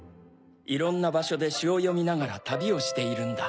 いろんなばしょでしをよみながらたびをしているんだ。